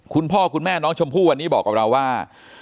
คุณพ่อคุณแม่น้องชมพู่วันนี้บอกกับเราว่า